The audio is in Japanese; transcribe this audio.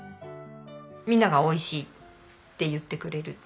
みんなが美味しいって言ってくれる。